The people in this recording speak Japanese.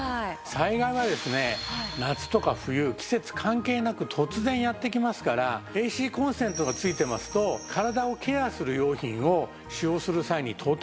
災害はですね夏とか冬季節関係なく突然やって来ますからＡＣコンセントが付いてますと体をケアする用品を使用する際にとても重宝しますよね。